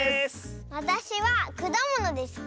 わたしはくだものですか？